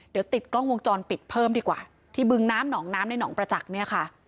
เดี๋ยวติดกล้องวงจรปิดเพิ่มดีกว่าที่บึงน้ำหนองน้ำในหนองประจักษ์เนี่ยค่ะ